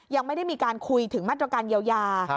ยังไม่ได้มีการคุยถึงมาตรการเยียวยา